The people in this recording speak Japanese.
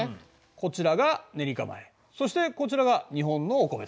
こちらがネリカ米そしてこちらが日本のお米だ。